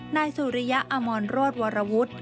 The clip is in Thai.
นายสุริยะอมอนรวชวรวรวุฒิ